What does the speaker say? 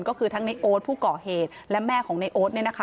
ก็คือทั้งเนโอ๊ตผู้เกาะเหตุและแม่ของเนโอ๊ต